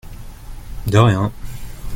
De rien !